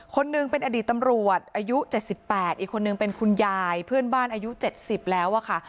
คนหนึ่งเป็นอดีตตำรวจอายุ๗๘อีกคนนึงเป็นคุณยายเพื่อนบ้านอายุ๗๐แล้วอะค่ะ